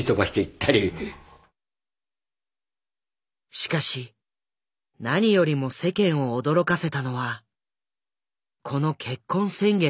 しかし何よりも世間を驚かせたのはこの「結婚宣言」だった。